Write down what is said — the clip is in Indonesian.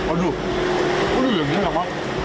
aduh aduh dagingnya enak